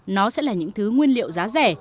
nó sẽ là những thứ nguyên liệu giá rẻ